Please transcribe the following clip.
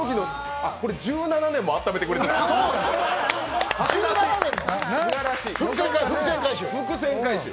これ、１７年もあっためてくれたんですね。